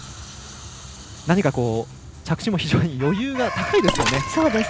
何か着地も非常に高いですよね。